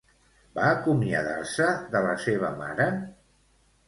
Va acomiadar-se de la seva mare?